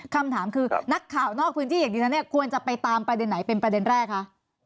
คำถามคือนักข่าวนอกพื้นที่อย่างดิฉันเนี่ยควรจะไปตามประเด็นไหนเป็นประเด็นแรกคะ